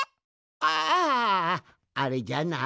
ああれじゃな。